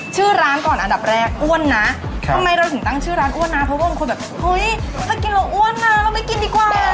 ชื่อร้านก่อนอันดับแรกอ้วนนะทำไมเราถึงตั้งชื่อร้านอ้วนนะเพราะว่าบางคนแบบเฮ้ยถ้ากินเราอ้วนมาเราไปกินดีกว่า